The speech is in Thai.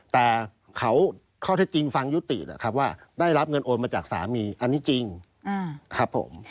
แต่เขาข้อเท็จจริงฟังยุตินะครับว่าได้รับเงินโอนมาจากสามีอันนี้จริงครับผม